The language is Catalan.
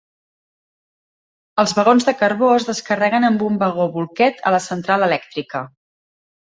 Els vagons de carbó es descarreguen amb un vagó bolquet a la central elèctrica.